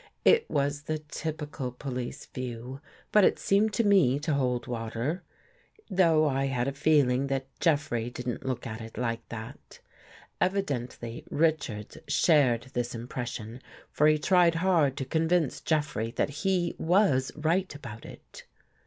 It was the typical police view, but it seemed to me to hold water; though I had a feeling that Jeffrey 138 AN ESCAPE didn't look at it like that. Evidently Richards shared this impression, for he tried hard to convince Jeffrey that he was right about it.